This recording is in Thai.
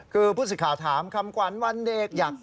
คือผู้สิทธิ์ข่าวถามคำขวัญวันเด็กอยาก